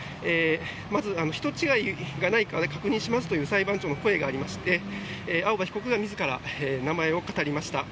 まず人違いがないか確認しますという裁判長の声がありまして青葉被告が自ら、名前を語りました。